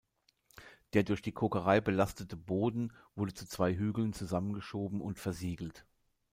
Der durch die Kokerei belastete Boden wurde zu zwei Hügeln zusammengeschoben und versiegelt.